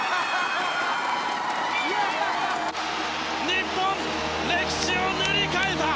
日本、歴史を塗り替えた！